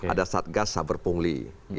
ada satgas saber pungli